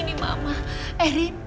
ini mama erin